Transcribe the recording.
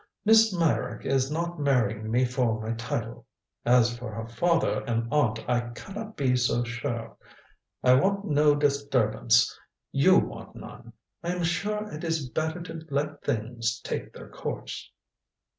Miss Meyrick is not marrying me for my title. As for her father and aunt, I can not be so sure. I want no disturbance. You want none. I am sure it is better to let things take their course."